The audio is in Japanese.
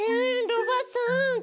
ロバさん